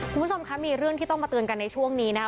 คุณผู้ชมคะมีเรื่องที่ต้องมาเตือนกันในช่วงนี้นะคะ